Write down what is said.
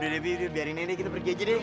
udah deh biar ini kita pergi aja deh